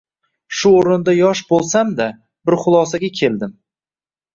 Shu o‘rinda yosh bo‘lsam-da bir xulosaga keldim.